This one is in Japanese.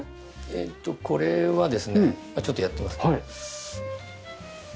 えっとこれはですねちょっとやってみますね。